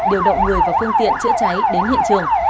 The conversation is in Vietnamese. điều động người và phương tiện chữa cháy đến hiện trường